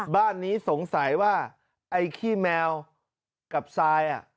บ้านนี้สงสัยว่าไอ้ขี้แมวกับทราย